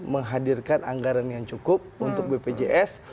menghadirkan anggaran yang cukup untuk bpjs